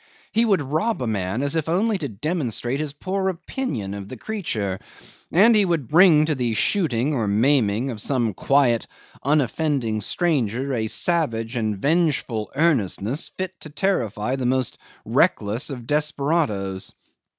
He would rob a man as if only to demonstrate his poor opinion of the creature, and he would bring to the shooting or maiming of some quiet, unoffending stranger a savage and vengeful earnestness fit to terrify the most reckless of desperadoes.